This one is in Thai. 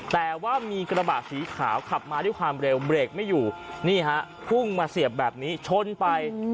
แต่ว่ามีกระบะสีขาวขับมาด้วยความเร็วเบรกไม่อยู่นี่ฮะพุ่งมาเสียบแบบนี้ชนไป